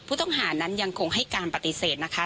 ผู้ต้องหานั้นยังคงให้การปฏิเสธนะคะ